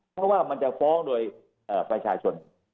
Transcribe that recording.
เพราะว่ามันจะฟ้องโดยประชาชน